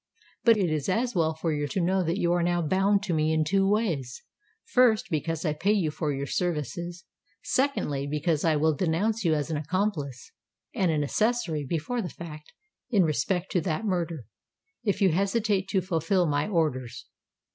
But it is as well for you to know that you are now bound to me in two ways: first, because I pay you for your services—secondly, because I will denounce you as an accomplice and an accessory before the fact, in respect to that murder, if you hesitate to fulfil my orders!